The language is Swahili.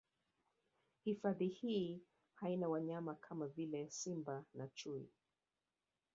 Hifadhi hii haina wanyama kama vile Simba na Chui